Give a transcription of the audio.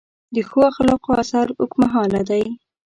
د ښو اخلاقو اثر اوږدمهاله دی.